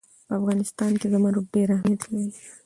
په افغانستان کې زمرد ډېر اهمیت لري.